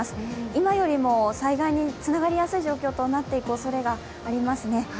今よりも災害につながりやすい状況となっていくおそれがありますね。